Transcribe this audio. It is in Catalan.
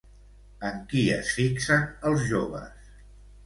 En qui es fixen els joves?